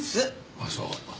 ああそう。